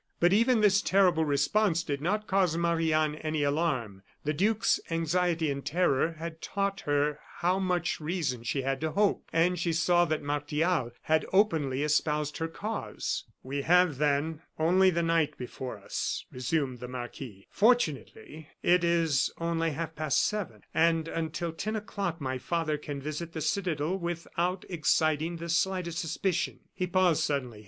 But even this terrible response did not cause Marie Anne any alarm. The duke's anxiety and terror had taught her how much reason she had to hope; and she saw that Martial had openly espoused her cause. "We have, then, only the night before us," resumed the marquis. "Fortunately, it is only half past seven, and until ten o'clock my father can visit the citadel without exciting the slightest suspicion." He paused suddenly.